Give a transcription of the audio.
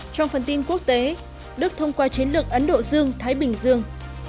trong phần tin quốc tế đức thông qua chiến lược ấn độ dương thái bình dương